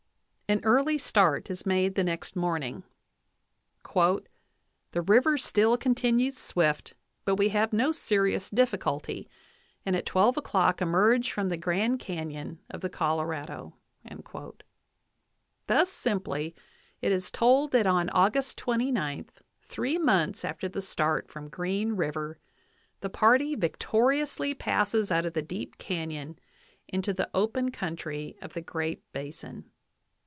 An early start is made the next morn 18 JOHN WESLEY POWELL DAVIS ing. "The river still continues swift, but we have no serious difficulty, and at twelve o'clock emerge from the Grand Canon of the Colorado." Thus simply is it told that on August 29, three months after the start from Green River, the party victoriously passes out of the deep canyon into the open coun try of the Great Basin.